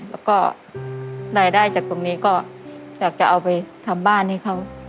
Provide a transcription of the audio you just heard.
แล้วก็รายได้จากตรงนี้ก็อยากจะเอาไปทำบ้านให้เขา